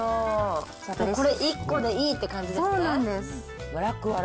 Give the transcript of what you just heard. これ１個でいいっていう感じですか？